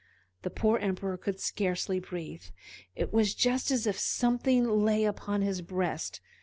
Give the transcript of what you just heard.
The poor Emperor could scarcely breathe; it was just as if something lay upon his breast.